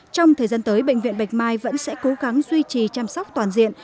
trong thời gian tới bệnh viện bạch mai vẫn sẽ cố gắng duy trì chăm sóc toàn diện